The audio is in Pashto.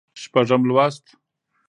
شپږم لوست